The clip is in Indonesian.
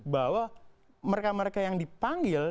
bahwa mereka mereka yang dipanggil